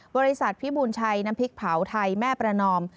บริษัทพิบูรณชัยน้ำพริกเผาไทยแม่ประนอม